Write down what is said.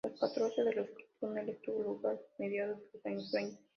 La construcción de los túneles tuvo lugar mediados los años veinte.